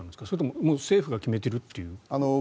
それとももう政府が決めているという。